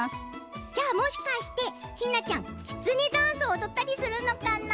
じゃあもしかしてひなちゃんきつねダンスおどったりするのかな？